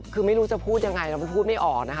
คือไม่รู้จะพูดยังไงเราพูดไม่ออกนะคะ